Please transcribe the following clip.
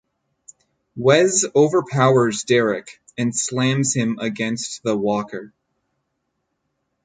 Wes overpowers Derek and slams him against the walker.